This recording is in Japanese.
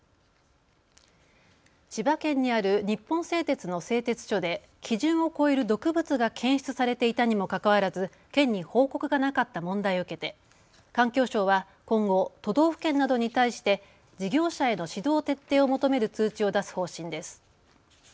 千葉県にある日本製鉄の製鉄所で基準を超える毒物が検出されていたにもかかわらず県に報告がなかった問題を受けて環境省は今後、都道府県などに対して事業者への指導徹底を求める通知を出す方針です。